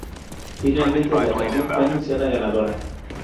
Finalmente, la canción fue anunciada ganadora.